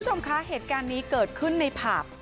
คุณผู้ชมคะเหตุการณ์นี้เกิดขึ้นในผับ